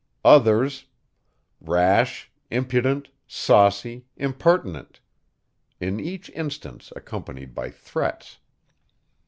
Others: rash, impudent, saucy, impertinent; in each instance accompanied by threats.